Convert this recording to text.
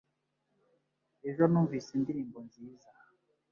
Ejo numvise indirimbo nziza.